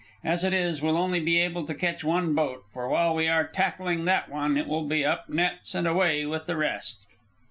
As it is, we'll only be able to catch one boat, for while we are tackling that one it will be up nets and away with the rest."